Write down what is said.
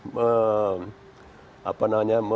membuat pak jokowi